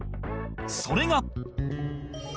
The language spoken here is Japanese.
それが